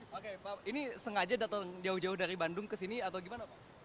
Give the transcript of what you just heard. oke pak ini sengaja datang jauh jauh dari bandung ke sini atau gimana pak